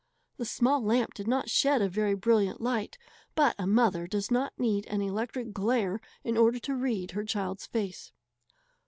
The small lamp did not shed a very brilliant light, but a mother does not need an electric glare in order to read her child's face.